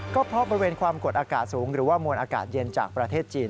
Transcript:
ก็เพราะบริเวณความกดอากาศสูงหรือว่ามวลอากาศเย็นจากประเทศจีน